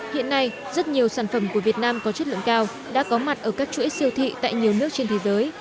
hiện nay rất nhiều sản phẩm của việt nam có chất lượng cao đã có mặt ở các chuỗi siêu thị tại nhiều nước trên thế giới